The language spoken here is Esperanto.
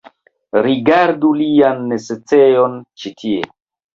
Rigardu lian necesejon ĉi tie